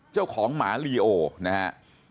เจ้าของหมาลีโอนะครับ